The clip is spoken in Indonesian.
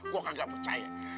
gua kagak percaya